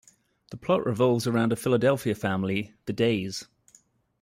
The plot revolves around a Philadelphia family, the Days.